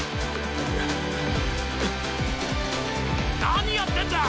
何やってんだ！